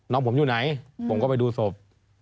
น้องผมอยู่ไหนผมก็ไปดูศพ